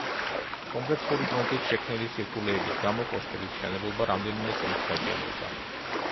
კომპლექსური გრუნტით შექმნილი სირთულეების გამო კოშკების მშენებლობა რამდენიმე წლით გაჭიანურდა.